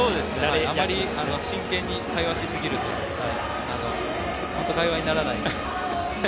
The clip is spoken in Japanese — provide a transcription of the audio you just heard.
あまり真剣に会話しすぎると会話にならないので。